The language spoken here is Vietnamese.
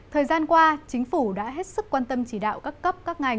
thời gian qua chính phủ đã hết sức quan tâm chỉ đạo các cấp các ngành